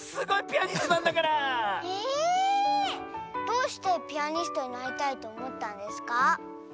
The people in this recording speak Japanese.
どうしてピアニストになりたいとおもったんですか？